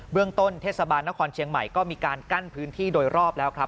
เรื่องต้นเทศบาลนครเชียงใหม่ก็มีการกั้นพื้นที่โดยรอบแล้วครับ